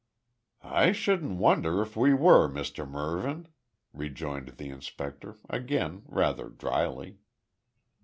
"I shouldn't wonder if we were, Mr Mervyn," rejoined the inspector, again rather drily.